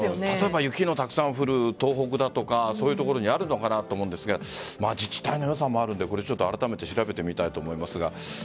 雪のたくさん降る東北とかそういうところにあるのかなと思いますが自治体のよさもあるのであらためて調べてみたいと思います。